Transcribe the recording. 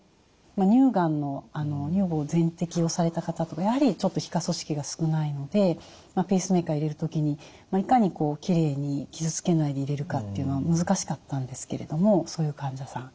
乳がんの乳房全摘をされた方とかやはりちょっと皮下組織が少ないのでペースメーカー入れる時にいかにきれいに傷つけないで入れるかっていうのは難しかったんですけれどもそういう患者さん。